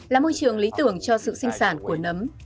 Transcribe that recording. là môi trường lý tưởng cho sự sinh sản của nấm